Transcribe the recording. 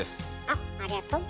あっありがとう。